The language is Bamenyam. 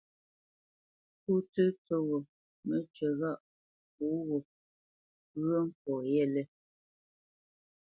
Pó tsə̂ tsə́ghō, mə́cywǐ ghâʼ pǔ gho ŋgyə̌ nkɔ̌ yêlê.